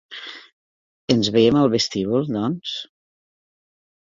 Ens veiem al vestíbul, doncs?